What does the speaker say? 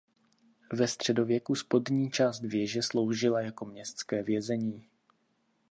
Ve středověku spodní část věže sloužila jako městské vězení.